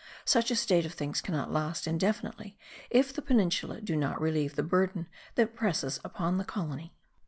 Such a state of things cannot last indefinitely if the Peninsula do not relieve the burden that presses upon the colony.